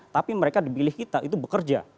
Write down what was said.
tapi mereka dipilih kita itu bekerja